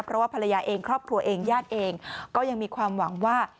เพราะว่าภรรยาเองครอบครัวเองญาติเองก็ยังมีความหวังว่า